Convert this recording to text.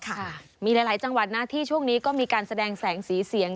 ค่ะมีหลายจังหวัดนะที่ช่วงนี้ก็มีการแสดงแสงสีเสียง